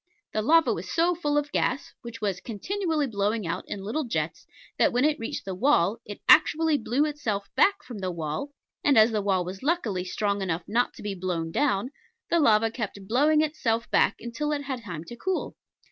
The lava was so full of gas, which was continually blowing out in little jets, that when it reached the wall, it actually blew itself back from the wall; and, as the wall was luckily strong enough not to be blown down, the lava kept blowing itself back till it had time to cool.